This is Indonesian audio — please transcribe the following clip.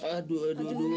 aduh aduh aduh